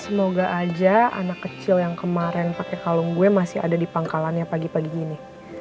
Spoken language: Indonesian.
semoga aja anak kecil yang kemarin pakai kalung gue masih ada di pangkalannya pagi pagi gini